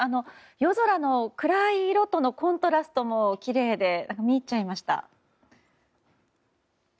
夜空の暗い色とのコントラストもきれいで、見入っちゃいました。